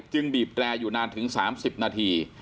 บีบแร่อยู่นานถึง๓๐นาที